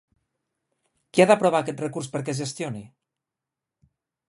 Qui ha d'aprovar aquest recurs perquè es gestioni?